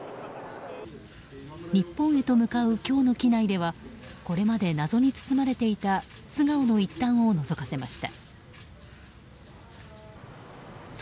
日本へと向かう今日の機内ではこれまで謎に包まれていた素顔の一端をのぞかせました。